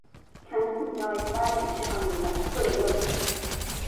Kendisi müteahhitlerle işi halleder, parayı alır…